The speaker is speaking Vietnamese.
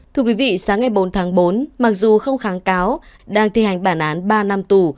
thưa quý vị sáng ngày bốn tháng bốn mặc dù không kháng cáo đang thi hành bản án ba năm tù